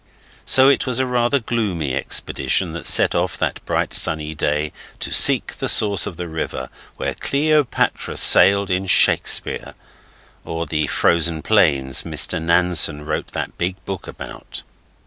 So it was a rather gloomy expedition that set off that bright sunny day to seek the source of the river where Cleopatra sailed in Shakespeare (or the frozen plains Mr Nansen wrote that big book about).